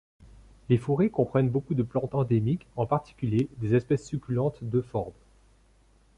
Les fourrés comprennent beaucoup de plantes endémiques, en particulier des espèces succulentes d'euphorbe.